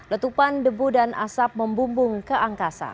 letupan debu dan asap membumbung ke angkasa